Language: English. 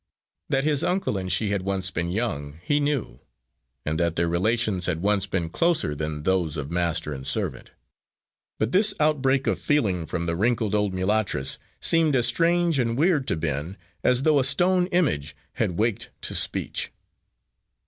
That his uncle and she had once been young he knew, and that their relations had once been closer than those of master and servant; but this outbreak of feeling from the wrinkled old mulattress seemed as strange and weird to Ben as though a stone image had waked to speech.